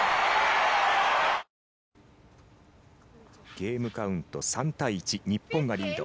ゲームカウント３対１日本がリード。